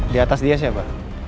diatas dia siapa